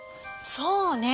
そうね。